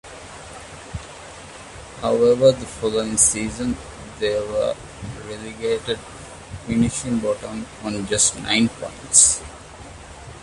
However, the following season they were relegated, finishing bottom on just nine points.